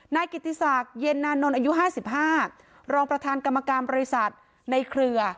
นายกิติศักดิ์เย็นนานนท์อายุ๕๕รองประธานกรรมการบริษัทในเครือ